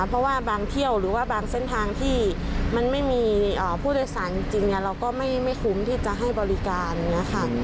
เพราะว่าบางเที่ยวหรือว่าบางเส้นทางที่มันไม่มีอ่าผู้โดยสารจริงจริงเนี้ยเราก็ไม่ไม่คุ้มที่จะให้บริการนะคะ